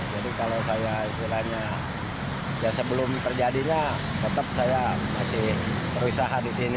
jadi kalau saya ya sebelum terjadinya tetap saya masih berusaha di sini